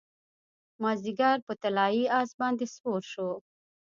مازدیګر په طلايي اس باندې سپور شو